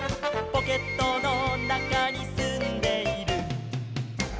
「ポケットのなかにすんでいる」